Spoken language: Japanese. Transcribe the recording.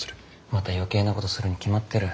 また余計なことをするに決まってる。